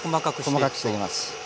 はい細かくしていきます。